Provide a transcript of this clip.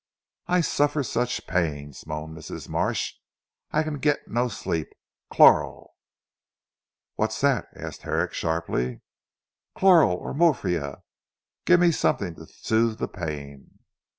"I suffer such pains," moaned Mrs. Marsh, "I can get no sleep. Chloral." "What's that?" asked Herrick sharply. "Chloral or morphia. Give me something to soothe the pain."